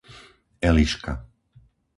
Eliška